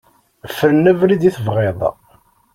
Fren abrid i tebɣiḍ.